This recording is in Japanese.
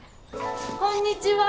こんにちは。